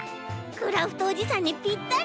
クラフトおじさんにぴったり！